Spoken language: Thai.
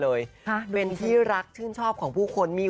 แล้ววันที่บวงส่วงเปิดตัวเนี่ย